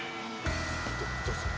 どどうする？